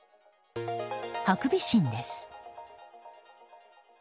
ハクビシンです。